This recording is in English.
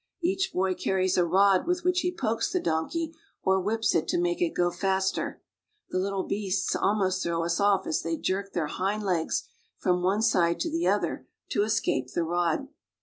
Each boy carries a rod with which he pokes the donkey or whips it to make it go faster; the little beasts almost throw us off as they jerk their hind legs from one side to the other to escape the rod.